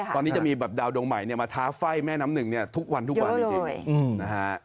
ตอนนี้จะมีดาวน์ดวงใหม่มาท้าไฟ่แม่น้ำหนึ่งทุกวันทุกวัน